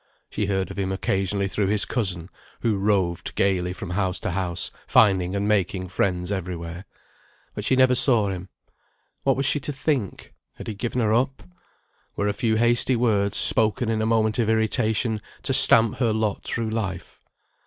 She heard of him occasionally through his cousin, who roved gaily from house to house, finding and making friends everywhere. But she never saw him. What was she to think? Had he given her up? Were a few hasty words, spoken in a moment of irritation, to stamp her lot through life?